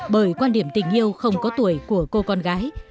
bởi quan điểm tình yêu không có tuổi của cô con gái